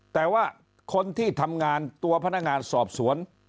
แต่ว่าคนที่ทำงานตัวพนักงานสอบสวน